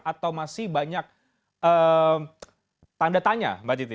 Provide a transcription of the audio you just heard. atau masih banyak tanda tanya mbak titi